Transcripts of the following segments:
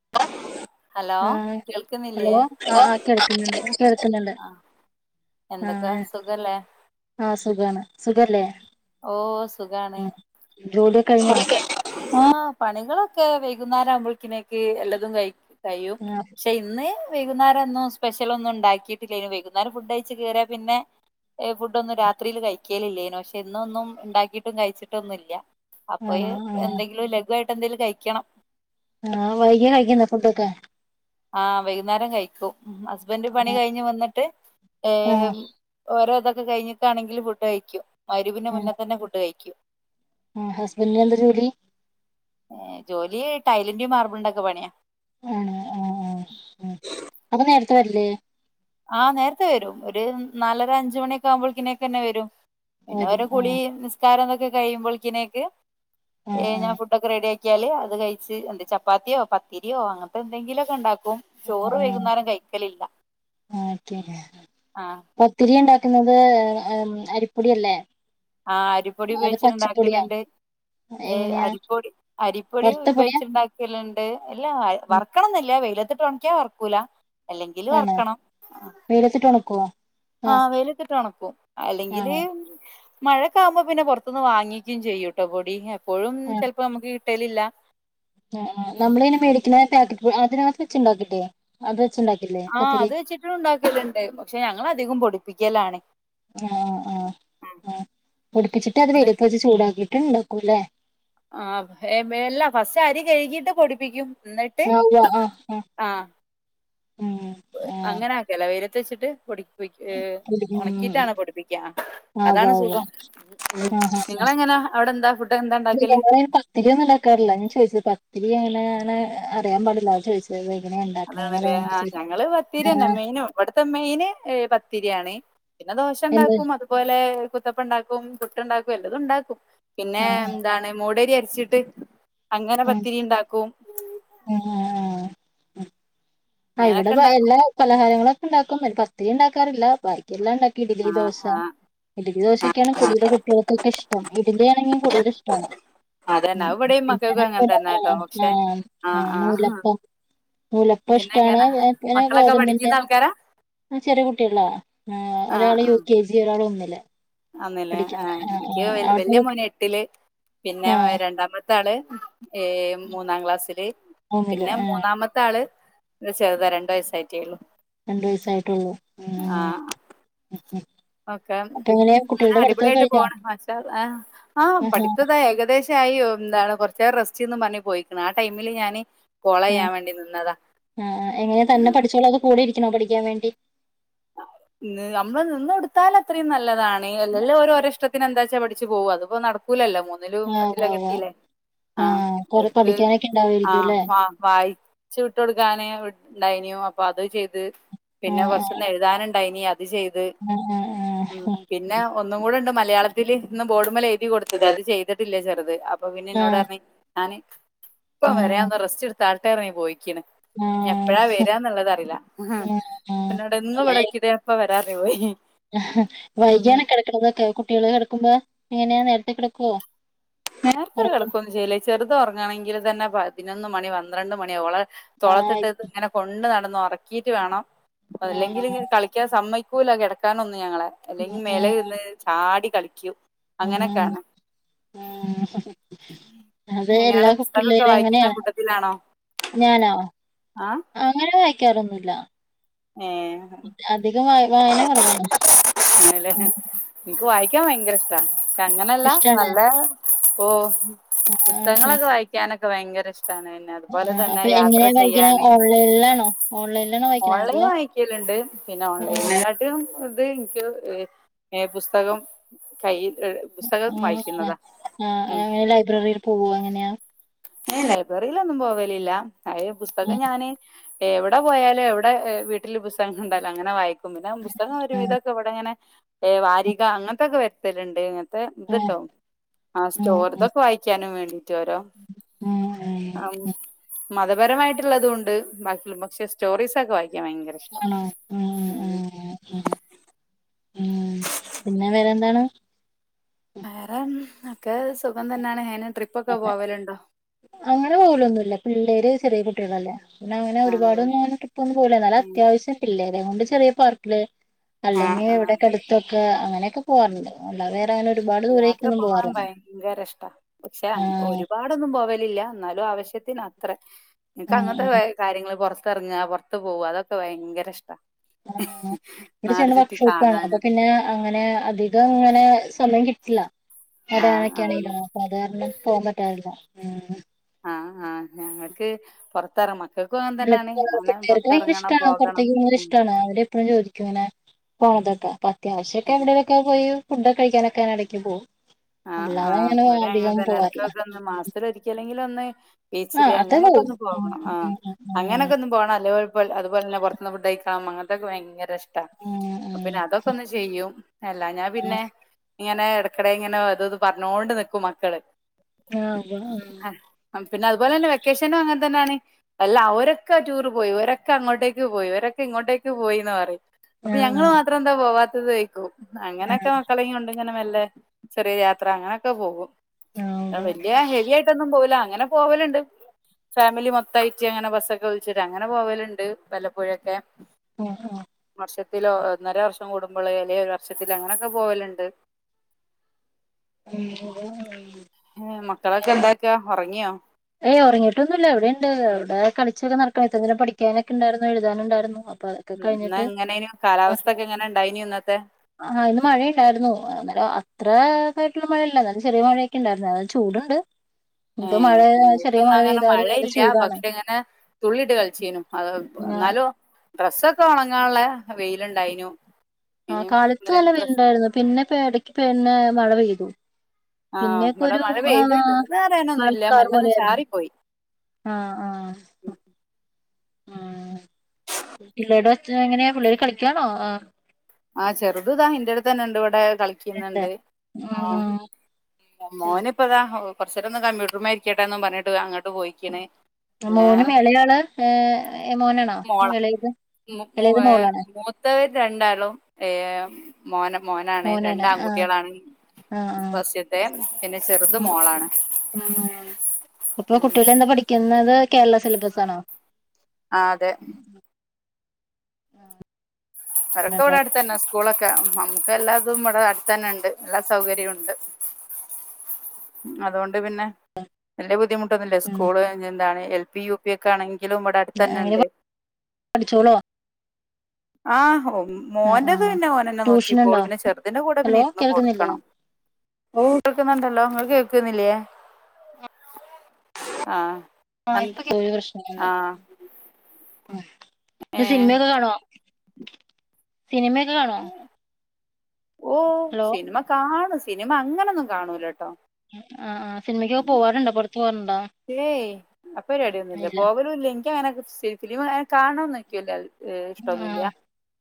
[inaudible] Hello ആഹ് hello കേൾക്ക്ന്നില്ലേ ആഹ് ആഹ് കേൾക്കുന്നുണ്ട് കേൾക്കുന്നുണ്ട് [unintelligible] ആഹ് എന്തെക്കെയാ ആഹ് സുഖല്ലേ ആഹ് സുഖാണ് സുഖല്ലേ ഓഹ് സുഖാണ് ആഹ് ജോലിയൊക്കെ കഴിഞ്ഞോ പണി ഒക്കെ [unintelligible] ആഹ് പണികളൊക്കെ വൈകുന്നേരം ആവുമ്പൊഴ്ക്കിനേക്ക് എല്ലതും കഴിക്ക്യും കഴിയും ആഹ് പക്ഷെ ഇന്ന്. വൈകുന്നേരംന്നും സ്പെഷ്യല് ഒന്നും ഉണ്ടാക്കിയിട്ടില്ലേനു വൈകുന്നേരം ഫുഡ് അയ്ച്ച് കേറിയാ പിന്നെ ഫുഡൊന്നും രാത്രില് കഴിക്കേലില്ലേനു പശ് ഇന്നൊന്നും ഇണ്ടാക്കിട്ടും കഴിച്ചിട്ടൊന്നുംല്ല ആണോ അപ്പഴ് ആഹ് എന്തെങ്കിലും ലഘുവായിട്ട് എന്തെങ്കിലും കഴിക്കണം. ആഹ് വൈകിയ കഴിക്കുന്ന ഫുഡൊക്കെ ആഹ് വൈകുന്നേരം കഴിക്കൂം ഉം ഹസ്ബൻഡറ് പണി ആഹ് കഴിഞ്ഞ് വന്നിട്ട് ഹേ ഓരോ ഇതൊക്കെ കഴിഞ് ണെങ്കിൽഫുഡഴിക്കും മഹ്റിബിന്റെ മുന്ന ആഹ് തന്നെ ഫുഡഴിക്കും. ആഹ് ഹസ്ബൻ്റിന് എന്തജോലി. ഏ ജോലി ടൈലിന്റിം മാർബിൾറ്റിം ഒക്കെ പണിയാ ആഹ് ആഹ് ആഹ് അപ്പൊ നേർത്തെ വർല്ലേ. ആഹ് നേർത്തെ വെരും ഒരു നാലര അഞ്ച് മണിയൊക്കെ ആകുമ്പോഴ് കി നേക്കന്നെ വെരും. പിന്നെ വരും ഓരോ കുളി ആഹ് നിസ്കാരം ഇതൊക്കെ കഴിയുമ്പോൽക്ക്നേക്ക് ആഹ് ഞാൻ ആഹ് ഫുഡൊക്കെ റെഡിയാ കാല് അത് കഴിച്ച് എന്ത് ചപ്പാത്തിയോ പത്തിരിയോ അങ്ങൻത്തെ എന്തെങ്കിലൊക്കെ ഉണ്ടാക്കും. ചോറ് ആഹ് വൈകുന്നേരം കഴിക്കലില്ല. ഓക്കെ ആഹ് പത്തിരി ഇണ്ടാക്കുന്നത് അരിപ്പൊടിയല്ലേ? ആഹ് അരിപ്പൊടി അത് പച്ചപ്പൊടിയാ ഉപയോഗിച്ചിട്ടുണ്ടാക്കല്ണ്ട് ഏഹ് എങ്ങനെയാ അരിപ്പൊടി അരിപ്പൊടി വറുത്ത പൊടിയാ ഉപയോഗിച്ചിട്ടുണ്ടാ ക്കല്ണ്ട് അല്ലാ ഉം, വർക്കണംന്നില്ല വെയിലത്തിട്ട് ഉണക്ക്യാ വർക്കൂല. അല്ലെങ്കില് വർക്കണം വൈലത്ത്ട്ട് ഒണക്കോ? ആഹ് വെയിലത്തിട്ട് ഒണക്കും അല്ലെങ്കില് ആണോ മഴക്കാകുമ്പോൾ പിന്നെ പൊർത്ത്ന്ന് വാങ്ങിക്കും ചെയ്യൂട്ടോ പൊടി എപ്പോഴും ചെൽപ്പോ നമുക്ക് കിട്ടലില്ല. ആഹ് ആഹ് നമ്മളയ്നെ മേടിക്ക്ണെ പാക്കറ്റ് അതിനകത്ത് വെച്ചുണ്ടാക്കില്ലേ അത് വെച്ച് ഇണ്ടാക്കില്ലേ? ആഹ് അത് വെച്ചിട്ടും ഇണ്ടാക്കല്ണ്ട് പക്ഷെ ഞങ്ങള് അധികും പൊടിപ്പിക്കലാണ്. ആഹ് ആഹ് ആഹ് പൊടിപ്പിച്ചിട്ട് അത് വൈലത്ത് വെച്ച് ചൂടാക്കിട്ട് ഉണ്ടാക്കൂല്ലേ. ആഹ് എല്ല ഫസ്റ്റ് അരി കഴുകിട്ട് പൊടിപ്പിക്കും ഇന്ന [unintelligible] ആഹ് ആഹ് അങ്ങനെ ആക്കലാ വെയിലത്ത് വെച്ചിട്ട് പൊടി [unintelligible] ഏ പൊടി- ഉം ഒണക്കിയിട്ടാണോ പൊടിപ്പിക്കാ ആ ഉവ്വ അതാണോ ഉവ്വ സുഖം. നിങ്ങള് എങ്ങനെ അവിടെ എന്താ ഫുഡ് എന്താ ഉണ്ടാക്കല് ഞങ്ങളെ പത്തിരിയൊന്നും ഉണ്ടാക്കാറില്ല ഞാൻ ചോദിച്ചത് പത്തിരി അങ്ങനെയാണ് അറിയാൻ പാടില്ല അതാ ചോദിച്ചത്. എങ്ങനേ അതാണല്ലേ ഉണ്ടാക്കണന്ന്റിയൻ വേണ്ടി ചോദിച്ച ഏഹ് ഇവട്ത്തെ മെയിന് പത്തിരിയാണ് പിന്നെ ദോശ എന്ത് ഇണ്ടാക്കും അത് അതുപോലെ കുത്തപ്പം ഇണ്ടാക്കും പുട്ട്‌ണ്ടാക്കും എല്ലതും ഇണ്ടാക്കും. പിന്നെ ആ ആ എന്താണ് മൂടരി അർച്ചിട്ട് അങ്ങനെ പത്തിരി ഇണ്ടാക്കും. ആഹ് ആഹ് ഇവടെ അങ്ങനൊക്കെ പ ഉണ്ടാക്കും എല്ലാ പലഹാരങ്ങളൊക്കെ ഇണ്ടാക്കും പത്തിരി ഇണ്ടാക്കാറില്ല പ എല്ലാം ഇണ്ടാക്കി ആ ഇഡിലി ദോശ ആ ഇഡ്ലി ആ, ദോശൊക്കേണ് കുടുതൽ കുട്ടിയേൾക്കൊക്കെ ഇഷ്ടം. ഇഡ്ലിയാണെങ്കി കൂടുതല് ഇഷ്ടാണ് അതന്നെ ആഹ് അത് ഇവിടെയും മക്കൾക്കും പിന്നെ അങ്ങനെ തന്നെ കേട്ടോ ആഹ് ആഹ് പക്ഷെ ആ ആഹ് ആ നൂലപ്പം നൂല പ്പും പിന്നെ ഇഷ്ടാണ് എങ്ങനെ പിനെ മക്കളൊക്കെ ഗോതമ്പിന്റെ പഠിക്കുന്ന ആൾക്കാരാ ആഹ് ചെറിയ കുട്ടികളാ ആ ഒരാള് യു കെ ജി, ഒരാൾ ഒന്നില്. ആന്നല്ലേ പഠിക്കുന്ന ആഹ് എനിക്ക് ആഹ് വല്യ അവിടുത്തെ മോന് എട്ടില് പിന്നെ ആഹ് രണ്ടാമത്താള്. ഏ മൂന്നാം ക്ലാസില് ഒന്നില് പിന്നെ ആഹ് മൂന്നാമത്താള് ന്ന് ചെറുതാ രണ്ട് വയസ്സായിറ്റേള്ളു രണ്ട് വയസായിട്ടേള്ളൂ ആഹ് അഹ് അഹ് ഓക്കെ ഉം നെ അടിപൊളിയായിട്ട് പോണ് ആശാ ആഹ് ആഹ് പഠിത്തൊക്കായി ഏകദേശ് ക്കായി ഒ എന്താണ് കൊറച്ച് റെസ്‌റ്റീന്നും പറഞ്ഞ് പോയിക്കണ് ആ ടൈമില് ഞാന് കോളെയ്യാൻ വേണ്ടി നിന്നതാ ആഹ് ആഹ് എങ്ങനെയ തന്ന പഠിച്ചോളോ അതോ കൂടെയിരിക്കണോ പഠിക്കാൻ വേണ്ടി ഇന്ന് അമ്മള് നിന്ന് കൊടുത്താലത്രയും നല്ലതാണ്. എല്ലല്ലോ ഓര് ഓര ഇഷ്ടത്തിന് എന്താച്ചാ പഠി ച്ച് പോവു അത് ഇപ്പ നടക്കൂലല്ലോ മോ ഒന്നിലും ആഹ് ഉവ്വ് എട്ടിലൊക്കെ ഉവ്വ് എത്തീല്ലേ ആഹ് കൊറേ ഓര്ക്ക് പഠിക്കാനൊക്കെ ഉണ്ടാവായിരിക്കും ആഹ് അല്ലേ വ വായി കൊച്ചു കുട്ടികൾക്കാണേ വിട്ട് ഉണ്ടായിനിയോ അപ്പൊ അത് ചെയ്ത് പിന്നെ ആഹ് കൊറച്ചൊന്ന് എഴുതാനുണ്ടായിനിയ ഇത് ചെയ്ത് ആഹ് ആഹ് ഉം ആഹ് പിന്നെ ഒന്നും കൂടെണ്ട് മലയാളത്തില് ഇന്ന് ബോർഡുമേലെ എഴുതി കൊടുത്തത് അത് ചെയ്തിട്ടില്ല ചെറുത് അപ് അപ്പൊ പിന്നെ എന്നോട് ആഹ് പറഞ്ഞ് ഞാന് ഇപ്പം ആഹ് വരാന്ന് റെസ്റ്റ് എടുത്താട്ടെ എറങ്ങി പോയിക്കണ് ഞ് ആഹ് എപ്പഴാ വരാന്നുള്ളത് അറിയില്ല ഉഹാ ആഹ് എന്നോടെന്നും ഇവ്ടെ ക്ക് ദേ ഇപ്പ വരാ ദേപോയി വൈകിയാണ കെടക്കണതൊക്കെ കുട്ടികള് കെടക്കുമ്പോ എങ്ങനെയാ നേരത്തെ കെടക്കോ നേരത്തെ കെടക്കോന്നും ചെയ്യില്ല ഈ ചെറുത് ഒറങ്ങാണെങ്കിൽ തന്ന പതിനൊന്ന് മണി പന്ത്രണ്ട് മണിയാവും ഓളെ ആഹ് തോളത്തിട്ട് ഇത് ഇങ്ങനെ കൊണ്ട് നടന്ന് ഒറക്കീറ്റ് വേണം അത് ആഹ് അല്ലെങ്കില് ഇങ്ങനെ കളിക്കാൻ സമ്മയ് ക്കൂല കെടക്കാനൊന്നു ഞങ്ങളെ. അല്ലെങ്ക് മേലെ ആഹ് ഇര്ന്ന് ചാടി കളിക്കും അങ്ങനെയൊക്കെ ആണ് ഉം അത് എല്ലാ എങ്ങനെയാണ് പുസ്തകൊക്കെ കുട്ടിള്ളേരും വായിക്കുന്ന അങ്ങനെയാണ് കൂട്ടത്തിലാണോ ഞാനോ ആഹ് അങ്ങനെ വായിക്കാറൊന്നുല്ല ഏഹ് അധികം വായ് വായന കൊറവാണ് ആഹ് ഇക്ക് വായിക്കാൻ ഭയങ്കര ഇഷ്ടാ ശെ അങ്ങനല്ല ഇഷ്ടാണ് നല്ലെ ഓ ആഹ് ആഹ് പുസ്തകങ്ങളൊക്കെ വായിക്കാനെക്കെ ഭയങ്കര ഇഷ്ടാണ് എന് ആഹ് അപ്പൊ എങ്ങനെയാ വായിക്കണെ ഓൺലൈനിലാണോ ഓൺലൈനിലാണോ വായിക്കണേ ഇങ്ങനെ വായിക്കല്ണ്ട് പിന്നെ ഓൺലൈനകാ ട്ടിയും ഇത് എനിക്ക് ഇഹ് ഏഹ് പുസ്തകം കയ്യിത്ത്- ആഹ് ആഹ് ആ ലൈബ്രറീല് പോവുവാ അങ്ങനെയാ ഏഹ് ലൈബ്രറിലൊന്നും പോവലില്ല. അയ് പുസ്തകം ഉം ഞാന് എവിടെ പോയാലും എവിടെ ഏഹ് വീട്ടില് പുസ്തകം കണ്ടാലും അങ്ങനെ വായിക്കും പിന്നെ പുസ്തകം ഒരു ഉം വിധോക്ക വ ഇതങ്ങനെ ഏ വാരിക അങ്ങനത്തെക്ക വരുത്തല്ണ്ട് ഇങ്ങനത്തെ ഇത്ട്ടോ ആഹ് ഉം ഉം സ്റ്റോർതൊക്ക വായിച്ചാനും വേണ്ടീട്ട് ഓരോ [unintelligible] ആ മതപരമായിട്ടുള്ളതുവുണ്ട് ബാക്കിയുള്ള പക്ഷെ സ്റ്റോറീസക്ക വായിക്കാൻ ഭയങ്കര ഇഷ്ടാ ആണോ ആഹ് ഉം ആഹ് അഹ് അഹ് ആഹ് പിന്നെ വേറെന്താണ് വേറെ ഉം എക്കെ സുഖം തന്നാണ് ഏനെ ട്രിപ്പക്ക പോവലുണ്ടോ അങ്ങന പോകലൊന്നും ഇല്ല പിള്ളേര് ചെറിയ കുട്ടികളല്ലേ പിന്നങ്ങനെ ആ അതുകൊണ്ട് ഒരുപാടൊന്നും അങ്ങനെ ട്രിപ്പൊന്നും പോവില്ലാരുന്നു എന്നാല് ഉം അത്യാവശ്യം പിള്ളേരേം കൊണ്ട് ചെറിയ പാർക്കില് ആ അല്ലെങ്കി ആ ഇവിടെക്കെ അടുത്തൊക്കെ അങ്ങനെയൊക്കെ പോവാറുണ്ട് അല്ലാതെ അങ്ങനെ ഒരുപാട് യാത്ര ദൂരേക്കൊന്നും പോവാൻ പോവാറൊന്നും ഭയങ്കരഷ്ടാ പക്ഷെ അനക്ക് ആഹ് ഒരുപാട് പ്പൊന്നും പോവലില്ല ന്നാലും ആവശ്യത്തിനത്രെ എനിക്ക് ഉം അങ്ങനത്തെ വേ ഉം കാര്യങ്ങള് ഫോസ് ത്തെറങ്ങാ പൊറത്ത് പോവാ അതൊക്കെ ഭയങ്കരഷ്ടാ. ആഹ് ഇവിടെ നാട് ചേട്ടന് ചുറ്റി വർക്ക് ഷോപ്പാണ് അപ്പൊ കാണാനും പിന്നെ അങ്ങനെ അധികം ഇങ്ങനെ സമയം കിട്ടില്ല ആഹ് ആഹ് അതാനൊക്കെയാണെങ്കിലോ സാധാരണ പോവാൻ പറ്റാറില്ല ആഹ് ആഹ് ആഹ് ഞങ്ങക്ക് പൊറ ത്തെറ മക്കൾക്കും അങ്ങനെ അല്ല, തന്നെ ആണ് പിള്ളേർക്ക് അങ്ങനെ പൊർത്ത് എറങ്ങണം പോകണം ഉം എപ്പഴും ചോദിക്കും അങ്ങനെ പോണതൊക്കെ. അപ്പ അത്യാവശ്യം ഒക്കെ ഉം എവിടെ വെ ക്കെ കഴിയും ഫുഡ് ഒക്കെ കഴിക്കാനൊക്കെ ഞാന് എടയ്ക്ക് പോവും ആഹ് ആഹ് ഇവിടെ അങ്ങനെ തന്നെ. പോവാറില്ല എടക്കൊക്കെ ഒന്ന് മാസത്തിലൊരിക്കല് എങ്കിലും ഒന്ന് ആ ബീച്ചില് അത് അങ്ങനെ ഒക്കെ പോവും ഒന്ന് ഉം പോവണം ഉം ആഹ്. അങ്ങനെ ഉം ഒക്കെ എന്നും പോകണം അല്ലേൽ ഒരു പോൽ അതുപോലെ തന്നെ പുറത്തുന്ന് ഫുഡ് കഴിക്കണം അങ്ങനത്തെ ഒക്കെ ഭയങ്കര ഇഷ് ട്ടാ ഉം ഉം ഉം പിന്നെ അതൊക്കെ ഒന്ന് ചെയ്യും. അല്ലാഞ്ഞ ഉം പിന്നെ ഇങ്ങനെ ഇടക്കിടെ ഇങ്ങനെ ഒ അതും ഇതും പറഞ്ഞോണ്ട് നിൽക്കും മക്കള് ആഹ് ആഹ് ആഹ് പിന്നെ അതുപോലെ തന്നെ വെക്കേഷനും അങ്ങനെ തന്നെ ആണ് അല്ല അവരൊക്കെ ടൂർ പോയി, ഇവരൊക്കെ അങ്ങോട്ടേക്ക് പോയി, ഇവരൊക്കെ ഇങ്ങോട്ടേക്ക് പോയിന്ന് പറയും. ആ അപ്പൊ ഞങ്ങള് ആ മാത്രം എന്താ പോവാത്തത് ചോദിക്കും. ആ അങ്ങനെയൊക്കെ മക്കളെ കൊണ്ട് ഇങ്ങനെ മെല്ലെ ചെറിയ യാത്ര അങ്ങനെ ഒക്കെ പോകും. ആ ആ ഉവ്വ് വലിയ ഹെവി ആയിട്ടൊന്നും പോവില്ല, അങ്ങനെ പോവലുണ്ട് ഫാമിലി മൊത്തായിട്ട് അങ്ങനെ ബസ്സൊക്കെ വിളിച്ചിട്ട് അങ്ങനെ പോവലുണ്ട്. വല്ലപ്പോഴും ഒക്കെ ആഹ് ആഹ് വർഷത്തിലോ ഒന്നര വർഷം കൂടുമ്പള്, അല്ലേൽ ഒരു വർഷത്തിലോ അങ്ങനെ ഒക്കെ പോവലുണ്ട് ഉം ഉം [unintelligible] ഏഹ് മക്കളൊക്കെ എന്ത് ആക്കാ ഒറങ്ങിയോ ഏഹ് ഒറങ്ങിട്ടൊന്നുല്ല. അവിടെ ഉണ്ട്. അവിടെ കളിച്ചൊക്കെ നടക്കുക. ഇത്ര നേരം പഠിക്കാനൊക്കെ ഉണ്ടായിരുന്നു. എഴുതാനുണ്ടായിരുന്നു അ ഉം ഇന്ന് എങ്ങനെയെനും കാലാവസ്ഥ ഒക്കെ എങ്ങനെ ഇണ്ടായിനിയെ ഇന്നത്തെ ആഹ് ഇന്ന് മഴയുണ്ടായിരുന്നു. എന്നാലും അത്ര ഇതായിട്ടുള്ള മഴയല്ല. എന്നാലും ചെറിയ മഴ ക്കെ ഉണ്ടായിരുന്നു. എന്നാലും ചൂടുണ്ട് ഇനി ഇപ്പം മഴ ചെറിയ നമുക്കൊന്നും മഴ അങ്ങനെ പെയ്താലും നല്ല മഴയില്ല. ചൂടാണ് പക്ഷെ ഇങ്ങനെ തുള്ളിട്ട് കളിച്ചേനും. ആ എന്നാലോ ഡ്രസ്സൊക്കെ ഉണങ്ങാനുള്ളേ വെയില് ഉണ്ടായിനു ആഹ് കാലത്ത് നല്ല വെയിലുണ്ടായിരുന്നു. പിന്നെ ഇപ്പം ഇടക്ക് പിന്നെ മഴ പെയ്തു. ആ പിന്നെ ഒക്കെ ഇവിടെ ഒരു മഴ ആഹ് പെയ്തിന്ന് പറയാനൊന്നുമില്ല മഴക്കാർ മെല്ലെ പോലെ ഒന്ന് ആയിരുന്നു. ചാറിപ്പോയി ആഹ് ആഹ് ഉം. പിള്ളേരുടെ ഒച്ച എങ്ങനെ പിള്ളേര് കളിക്കാണോ, ആഹ് ആഹ് ചെറുത് ഇതാ ഇന്റെ അടുത്ത് തന്നെ ഉണ്ട് ഇവിടെ ഉണ്ട്. കളിക്കുന്നുണ്ട്. ഉം ആഹ് ഉം, മോന് ഇപ്പതാ കൊറച്ച് നേരം ഒന്ന് കമ്പ്യൂട്ടർമെ ഇരിക്കട്ടെ എന്നും പറഞ്ഞിട്ട് ഇതാ അങ്ങട്ട് പോയിക്ക്ണ് മോനും എളയ ആള് ഏഹ് മോനാണോ മോള ഇളയത്, ഇളയത് മോളാണ്. ത്തത് രണ്ടാളും ഏഹ് മോന് മോനാണ്. രണ്ട് ആൺകുട്ടികളാണ്. ആ ആ ഫസ് ദേ പിന്നെ ചെറുത് ഉം, മോളാണ്. ഉം. ഉം ക്കുന്നത് കേരള സിലബസ് ആണോ ആഹ് അതെ അതൊക്കെ ഇവിടെ അടുത്ത് തന്നെ. സ്കൂളൊക്കെ നമുക്ക് എല്ലാതും ഇവിടെ അടുത്തന്നെ ഉണ്ട്. എല്ലാ സൗകര്യവും ഉണ്ട് അതുകൊണ്ട് പിന്നെ വല്യ ബുദ്ധിമുട്ടൊന്നുല്ല. ഉം സ്കൂള് എന്താണ് എൽ പി യു [unintelligible] ഒക്കെ ആണെങ്കിലും ഇവിടെ അടുത്ത് തന്നെ അങ്ങനെ ഉണ്ട് പഠിച്ചോളോ ആഹ് ആ ആ മോന്റെത് പിന്നെ ഓൻ ത ന്നെ ട്യൂഷൻ നോക്കിക്കോളും, ഉണ്ടോ പിന്നെ ചെറുതിന്റെ കൂടെ ഹലോ പിന്നെ ഇരുന്ന് കേൾക്കുന്നില്ലേ കൊടുക്കണം. പൂവ് ഇട്ടു കൊടുക്കുന്നുണ്ടല്ലോ ഇങ്ങള് കേക്കുന്നില്ലേ ആഹ് ആഹ് അൻ ഇപ്പൊ കേ ആഹ് [unintelligible] പിന്നെ ഏഹ് സിനിമയൊക്കെ കാണോ സിനിമയൊക്കെ കാണോ ഓഹ് ഹലോ സിനിമ കാണും സിനിമ അങ്ങനൊന്നും കാണൂലട്ടോ ആഹ് ആഹ് സിനിമക്കൊക്കെ പോകാറുണ്ടോ പുറത്ത് പോവാറുണ്ടോ ഏയ് അപ്പൊ പേടിയൊന്നുമില്ല പോവലും ഇല്ല. എനിക്ക് അങ്ങനെ ഫിലിം കാണണംന്നു എനിക്കില്ല ആ ഇഷ്ടൊന്നുല്ല്യ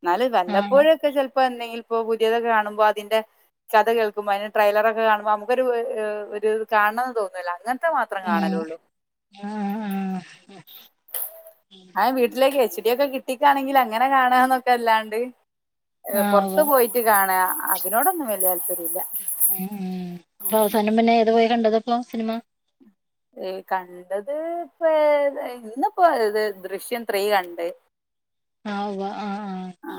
ഇന്നാലും ആ വല്ലപ്പോഴൊക്കെ ചെലപ്പോ എന്തെങ്കിലും ഇപ്പോ പുതിയതൊക്കെ കാണുമ്പോ അതിന്റെ കഥ കേൾക്കുമ്പോ അതിൻ്റെ ട്രെയിലറൊക്കെ കാണുമ്പോ നമുക്കൊരു ഒരു ഇത് കാണണംന്ന് തോന്നൂല്ലേ അങ്ങനത്തെ മാത്രം ഉം കാണലൊള്ളു ആ എന്നാലും വീട്ടിലേക്ക് എച് ഡി ഒക്കെ ടി വി ക്കാണെങ്കിൽ അങ്ങനെ കാണന്നൊക്കെ അല്ലാണ്ട് ആ ആ ഉവ്വ പുറത്ത് പോയിട്ട് കാണ അതിനോടൊന്നും വലിയ താല്പര്യല്ല ഉം ഉം അപ്പൊ അവസാനം പിന്നെ ഏത് പോയി കണ്ടത് അപ്പോ സിനിമ കണ്ടത് ഇപ്പം ഇന്നിപ്പോ ഇത് ദൃശ്യം ത്രീ കണ്ട് ആഹ് ഉവ്വ് ആഹ്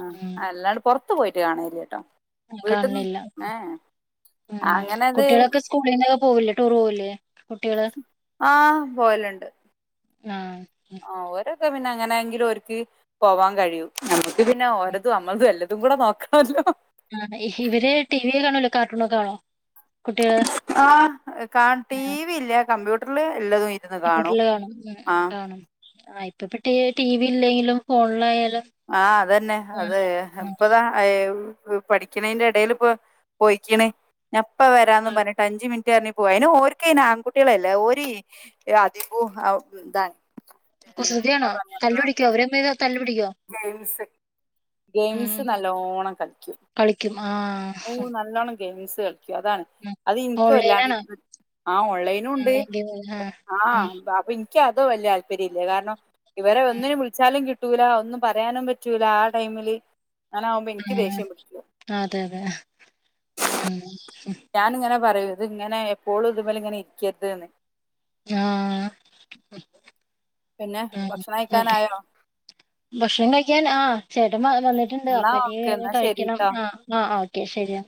ആ അല്ലാണ്ട് പൊറത്ത് പോയിട്ട് കാണലില്ല്യട്ടോ വീട്ട്ന്ന് കാണലില്ല ഏഹ് ഏഹ് ഉം കുട്ട്യാളൊക്കെ സ്കൂളിൽന്നൊക്കെ പോവില്ലേ ടൂർ പോവില്ലേ കുട്ട്യാള് ആഹ് പോവല്ണ്ട് ആഹ് ആഹ് ഓരോക്ക പിന്നെ എങ്ങനെങ്കിലും ഓര്ക്ക് പോവാൻ കഴിയൂ നമുക്ക് പിന്നെ ഓരതും നമ്മൾതും എല്ലതും കൂടെ നോക്കണല്ലോ ആഹ് ഇവര് ടിവിയ കാണല്ലോ കാർട്ടൂണൊക്കെ കാണോ കുട്ടികള് ആഹ ടി വി ഇല്ല കമ്പ്യൂട്ടറില് എല്ലാതും വീട്ടിൽ കാണും കാണും ആ ഇപ്പ ഇപ്പ ടി വി ഇല്ലെങ്കിലും ഫോണിലായാലും ആഹ് അതന്നെ ആ അത് ഇപ്പതാ പഠിക്കണന്റെ ഇടേൽ ഇപ്പോ പോയിക്ക്ണ് ഞാൻ ഇപ്പൊ വരാന്ന് ആ പറഞ്ഞിട്ട് അഞ്ചു മിനിറ്റ് റ്റ് പോയാ അയിന് ഓർക്കയിന് ആൺകുട്ട്യാളല്ലേ ഓര് അതികം എന്താണ് കുസൃതി ആണോ തല്ലു പിടിക്കോ അവര് തമ്മില് തല്ല് പിടിക്കോ ഗെയിംസ് ഗെയിംസ് നല്ലോണം കളിക്കും കളിക്കും ആഹ് ഓഹ് നല്ലോണം ഗെയിംസ് കളിക്കും അതാണ് ഉം അത് ഇനിക്ക് വല്ലാണ്ട് ഓൺലൈനാണോ ആഹ് ഓൺലൈനും ഇണ്ട് ഓൺലൈൻ ഗെയിം ആഹ് ആഹ ഉം പ്പ ക്ക്‌ അത് വല്യ താല്പര്യല്ല്യ കാരണം ഇവരെ ഉം ഒന്നിനും വിളിച്ചാലും കിട്ടൂല ഒന്നും പറയാനും പറ്റൂല്ല ആ ടൈമില് അങ്ങനെആവുമ്പോ ഇനിക്ക് ഉം ദേഷ്യം പിടിക്കും അതെ അതെ ഉം ഞാൻ ഇങ്ങനെ പറയും ഇത് ഇങ്ങനെ എപ്പോഴും ഇതുമ്മലിങ്ങനെ ഇരിക്കരുതന്ന് ആഹ് പിന്നെ ആഹ് ഭക്ഷണം അതെ കഴിക്കാനായോ ഭക്ഷണം കഴിക്കാൻ ആഹ് ചേട്ടൻ വന്നിട്ടുണ്ട് എന്നാ അപ്പൊ ഓക്കെ ഇനി എന്നാ കഴിക്കണം ശരിട്ടോ ആഹ് ആഹ് ഓക്കെ ശരിയ